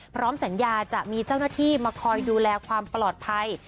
พร้อมสัญญาจะมีเจ้าหน้าที่มาคอยดูแลความปลอดภัย